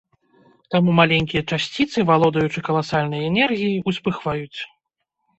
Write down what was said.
Таму маленькія часціцы, валодаючы каласальнай энергіяй, успыхваюць.